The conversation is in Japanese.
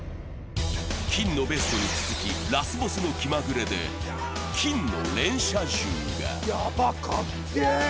金のベストに続きラスボスの気まぐれで金の連射銃が。